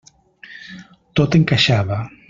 Tot encaixava.